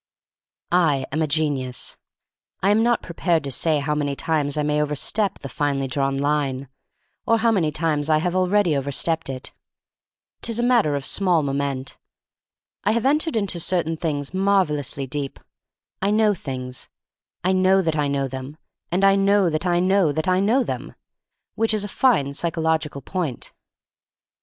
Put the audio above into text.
I am a genius. I am not prepared to say how many times I may overstep the finely drawn line, or how many times I have already overstepped it. *Tis a matter of small moment. I have entered into certain things marvelously deep. I know things, I know that I know them, and I know that I know that I know them, which is a fine psychological point.